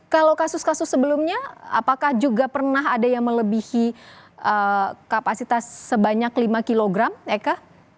kalau kasus kasus sebelumnya apakah juga pernah ada yang melebihi kapasitas sebanyak lima kilogram eka